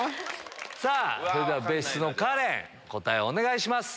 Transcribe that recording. それでは別室のカレン答えをお願いします。